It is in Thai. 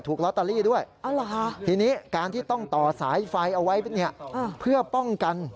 ลอตเตอรี่ด้วยทีนี้การที่ต้องต่อสายไฟเอาไว้เนี่ยเพื่อป้องกัน